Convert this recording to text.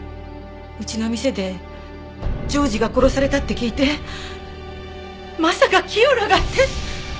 うちの店で譲士が殺されたって聞いてまさかキヨラがって。